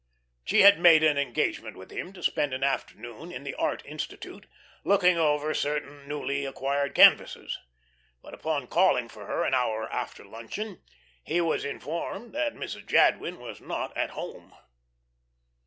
She had made an engagement with him to spend an afternoon in the Art Institute, looking over certain newly acquired canvases. But upon calling for her an hour after luncheon he was informed that Mrs. Jadwin was not at home.